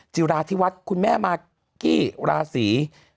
จิราธิวัฒน์คุณแม่มากกี้ราศี